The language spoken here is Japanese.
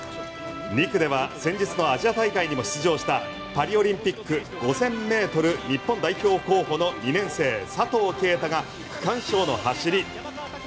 ２区では先日のアジア大会にも出場したパリオリンピック５０００ｍ日本代表候補の２年生佐藤圭汰が区間賞の走り。